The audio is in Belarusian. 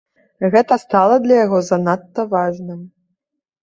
Гэта стала для яго занадта важным.